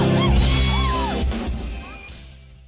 ทุกที่ว่าใช่ไหม